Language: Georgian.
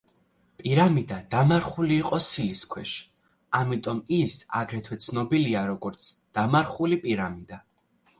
პირამიდა დამარხული იყო სილის ქვეშ, ამიტომ ის აგრეთვე ცნობილია როგორც „დამარხული პირამიდა“.